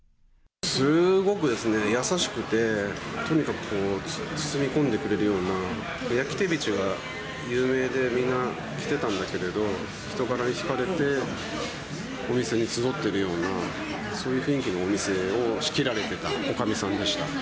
すごく優しくて、とにかく包み込んでくれるような、焼きテビチが有名で、みんな来てたんだけれど、人柄に引かれて、お店に集っているような、そういう雰囲気のお店を仕切られてたおかみさんでした。